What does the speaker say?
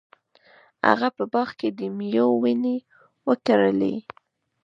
هغه په باغ کې د میوو ونې وکرلې.